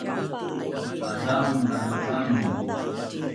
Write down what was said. asa’un zaku amin